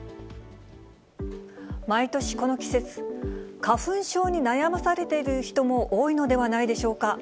毎年この季節、花粉症に悩まされている人も多いのではないでしょうか。